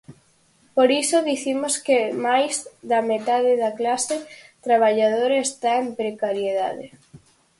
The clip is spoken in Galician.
Por iso dicimos que máis da metade da clase traballadora está en precariedade.